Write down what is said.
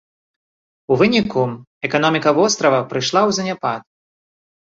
У выніку, эканоміка вострава прыйшла ў заняпад.